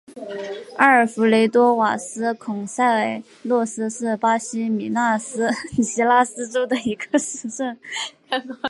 阿尔弗雷多瓦斯孔塞洛斯是巴西米纳斯吉拉斯州的一个市镇。